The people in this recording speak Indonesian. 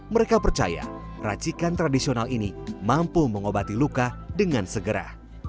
mereka percaya racikan tradisional ini mampu mengobati luka dengan segera